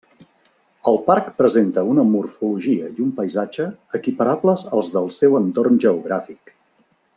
El Parc presenta una morfologia i un paisatge equiparables als del seu entorn geogràfic.